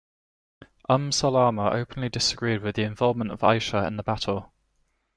Umm Salama openly disagreed with the involvement of Aisha in the battle.